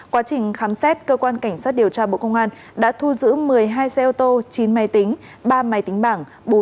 quá trình khám xét cơ quan cảnh sát điều tra bộ công an đã thu giữ một mươi hai xe ô tô chín máy tính ba máy tính bảng